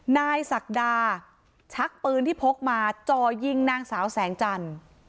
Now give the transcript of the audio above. นายสักดาชักปืนที่พกมาจอยิงนางสาวแสงจัน